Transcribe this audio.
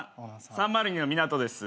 ３０２の港です。